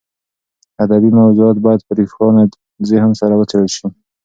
ادبي موضوعات باید په روښانه ذهن سره وڅېړل شي.